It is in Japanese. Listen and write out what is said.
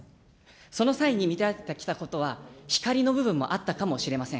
その際に見られてきたことは、光の部分もあったかもしれません。